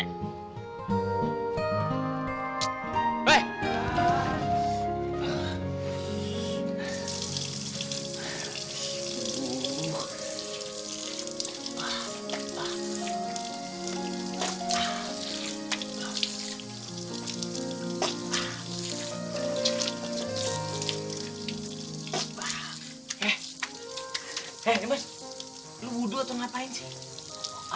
eh eh mas lu wudhu atau ngapain sih